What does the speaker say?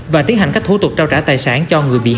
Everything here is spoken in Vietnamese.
và tiến hành các thủ tục trao trả tài sản cho người bị hại